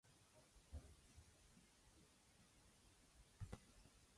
This article illustrates some typical applications of operational amplifiers.